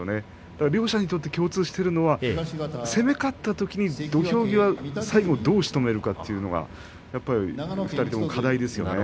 両者にとって共通しているのは攻め勝ったときに土俵際最後どうしとめるかということが２人の課題ですね。